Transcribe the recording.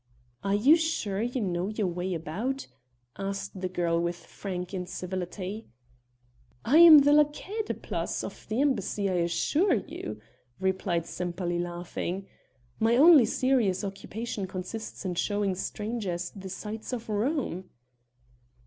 "Are you sure you know your way about?" asked the girl with frank incivility. "I am the laquais de place of the Embassy I assure you," replied Sempaly laughing; "my only serious occupation consists in showing strangers the sights of Rome."